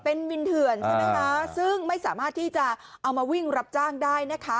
เป็นวินเถื่อนใช่ไหมคะซึ่งไม่สามารถที่จะเอามาวิ่งรับจ้างได้นะคะ